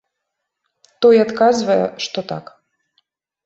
Той адказвае, што так.